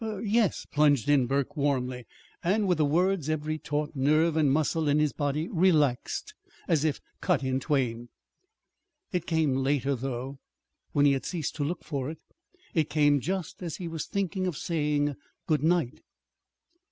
"Er yes," plunged in Burke warmly. And with the words, every taut nerve and muscle in his body relaxed as if cut in twain. It came later, though, when he had ceased to look for it. It came just as he was thinking of saying good night.